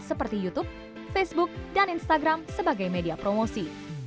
seperti youtube facebook dan instagram sebagai media promosi